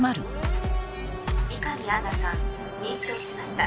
美神アンナさん認証しました。